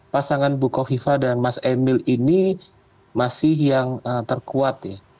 pasangan bukoviva dan mas emil ini masih yang terkuat ya